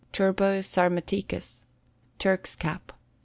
Turbo Sarmaticus. Turk's Cap.